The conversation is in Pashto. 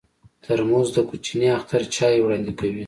ترموز د کوچني اختر چای وړاندې کوي.